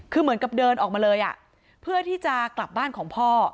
คือเหมือนกับเดินออกมาเลยเพื่อที่จะกลับบ้านของพ่อ